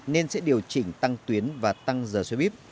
nên sẽ điều chỉnh tăng tuyến và tăng giờ xe buýt